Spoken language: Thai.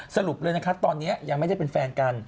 สรุปเลยนะคะตอนนี้ยังไม่ได้เป็นแฟนกัน